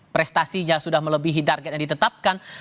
prestasinya sudah melebihi target yang ditetapkan